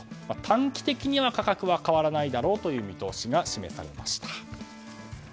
短期的には価格は変わらないだろうという見通しが示されました。